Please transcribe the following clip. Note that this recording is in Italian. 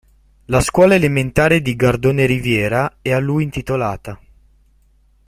La scuola elementare di Gardone Riviera è a lui intitolata.